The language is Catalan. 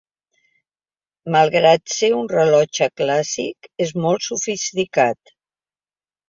Malgrat ser un rellotge clàssic, és molt sofisticat.